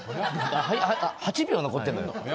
８秒残ってるのよ。